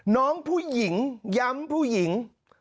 น้องผู้หญิงย้ำผู้หญิง